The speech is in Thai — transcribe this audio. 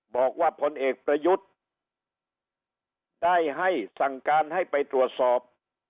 บอกว่าพลเอกประยุทธ์ได้ให้สั่งการให้ไปตรวจสอบ